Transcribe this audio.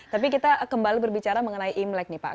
tapi kita kembali berbicara mengenai imlek nih pak